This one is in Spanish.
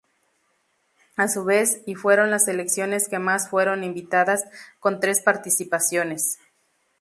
A su vez, y fueron las selecciones que más fueron invitadas, con tres participaciones.